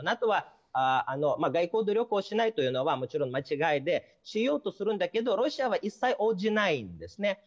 ＮＡＴＯは外交努力をしないというのは、もちろん間違いでしようとするんだけど、ロシアは一切応じないんですね。